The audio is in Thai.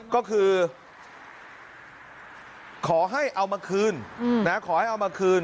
ก็คือขอให้เอามาคืนขอให้เอามาคืน